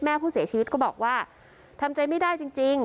แม่ผู้เสียชีวิตก็บอกว่าทำใจไม่ได้จริง